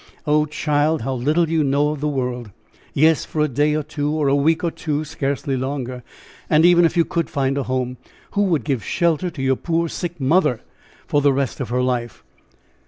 "Oh, child, how little you know of the world. Yes, for a day or two, or a week or two, scarcely longer. And even if you could find a home, who would give shelter to your poor, sick mother for the rest of her life?"